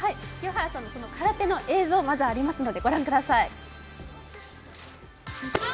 清原さんの空手の映像がありますのでご覧ください。